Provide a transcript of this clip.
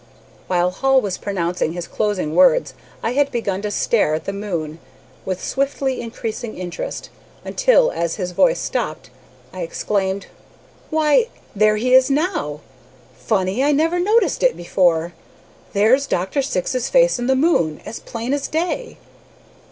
While Hall was pronouncing his closing words I had begun to stare at the moon with swiftly increasing interest, until, as his voice stopped, I exclaimed, "Why, there he is now! Funny I never noticed it before. There's Dr. Syx's face in the moon, as plain as day."